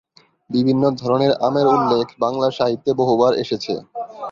বিভিন্ন ধরনের আমের উল্লেখ বাংলা সাহিত্যে বহুবার এসেছে।